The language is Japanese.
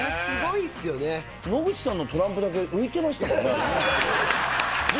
野口さんのトランプだけ浮いてましたもんねあれね。